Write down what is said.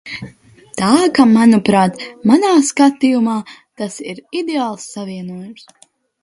Tā ka, manuprāt, manā skatījumā, tas ir ideāls savienojums.